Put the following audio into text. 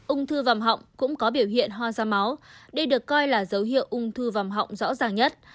ung thư vằm họng cũng có biểu hiện hoa da máu đây được coi là dấu hiệu ung thư vằm họng rõ ràng nhất